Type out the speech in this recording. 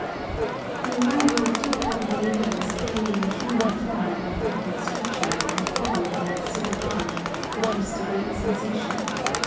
The arrival of two cuadrilleros carrying a human form on a covered stretcher and followed by a civil guard produced a great sensation.